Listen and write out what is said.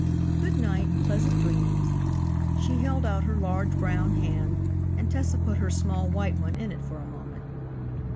Good night, pleasant dreams." She held out her large, brown hand, and Tessa put her small, white one in it for a moment.